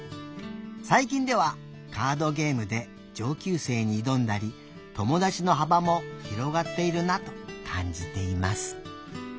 最近ではカードゲームで上級生に挑んだり友達の幅も広がっているなと感じています」。